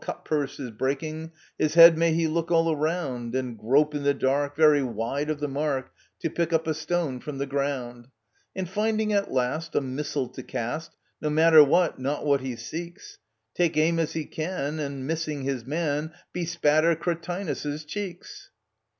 In a terrible taking while cut purse is breaking His head may he look all around, And grope in the dark, very wide of the mark, To pick up a stone from the ground ; And finding at last a missile to cast — No matter what— not what he seeks — Take aim as he can — and, missing his man, Bespatter Cratinus's cheeks